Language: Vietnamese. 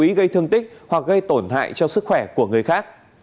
về tội cố ý gây thương tích hoặc gây tổn hại cho sức khỏe của người khác